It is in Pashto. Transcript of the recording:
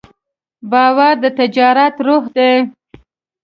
باور د تجارت روح دی.